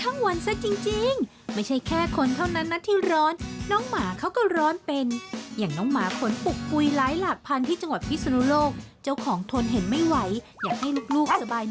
เออน่ารักไปดูกันหน่อยนะครับว่าเราเป็นอันสัตว์